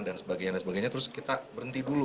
dan sebagainya terus kita berhenti dulu